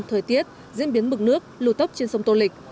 thời tiết diễn biến mực nước lù tốc trên sông tôn lịch